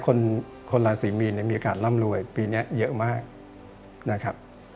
คนราศีมีนมีอากาศร่ำรวยปีนี้เยอะมากนะครับ